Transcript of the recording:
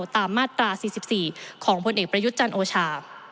ตามมาตรา๔๔ของผลเอกประยุทธ์จันทร์โอชา